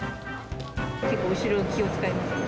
結構後ろに気を遣いますね。